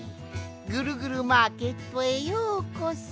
ぐるぐるマーケットへようこそ。